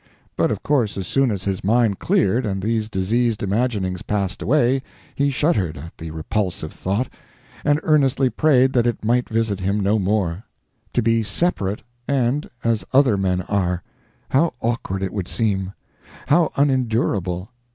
But of course as soon as his mind cleared and these diseased imaginings passed away, he shuddered at the repulsive thought, and earnestly prayed that it might visit him no more. To be separate, and as other men are! How awkward it would seem; how unendurable.